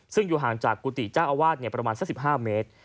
ซึ่งอยู่ห่างจากกุฏิเจ้าอาวาสประมาณสัก๑๕เมตร